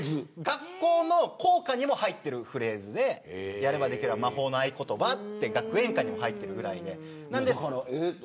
学校の校歌にも入っているフレーズでやればできるは魔法の合言葉と学園歌にも入っているぐらいで。